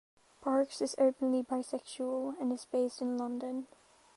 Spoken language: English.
Parks is openly bisexual and is based in London.